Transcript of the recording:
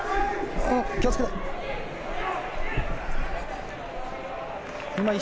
気をつけたい。